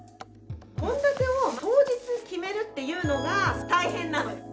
献立を当日決めるっていうのが大変なのよ。